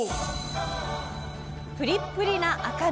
プリップリな赤身。